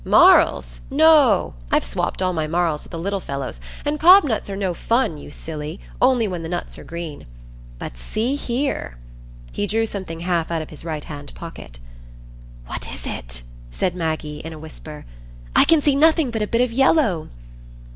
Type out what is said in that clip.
"Marls! no; I've swopped all my marls with the little fellows, and cobnuts are no fun, you silly, only when the nuts are green. But see here!" He drew something half out of his right hand pocket. "What is it?" said Maggie, in a whisper. "I can see nothing but a bit of yellow."